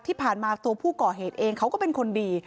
ที่ผ่านมาตัวผู้ก่อเหตุเองเขาก็เป็นคนดี